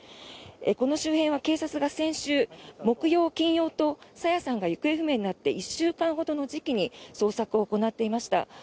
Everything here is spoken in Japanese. この周辺は警察が先週、木曜、金曜と朝芽さんが行方不明になって１週間ほどの時期に捜索を行っていました。